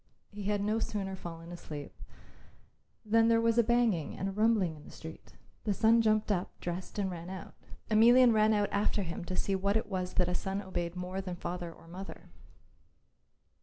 He had no sooner fallen asleep than there was a banging and a rumbling in the street. The son jumped up, dressed and ran out. Emelian ran out after him to see what it was that a son obeyed more than father or mother.